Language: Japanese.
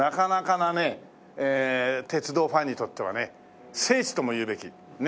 鉄道ファンにとってはね聖地ともいうべき。